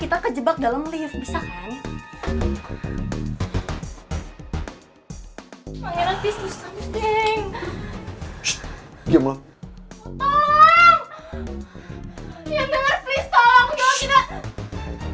ini gue lagi di dalam lift terus tak kebisa lah tenang